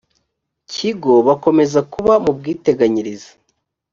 kigo bakomeza kuba mu bwiteganyirize